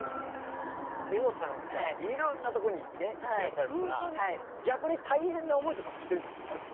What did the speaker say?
イモトさんなんかさいろんなとこにね行ってらっしゃるから逆に大変な思いとかもしてるんじゃないですか？